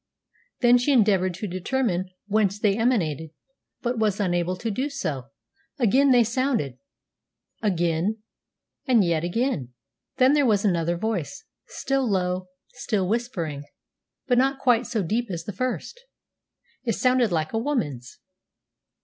Then she endeavoured to determine whence they emanated, but was unable to do so. Again they sounded again and yet again. Then there was another voice, still low, still whispering, but not quite so deep as the first. It sounded like a woman's.